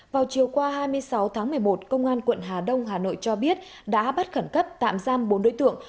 vào chiều qua hai mươi sáu tháng một mươi một công an quận hà đông hà nội cho biết đã bắt khẩn cấp tạm giam bốn đối tượng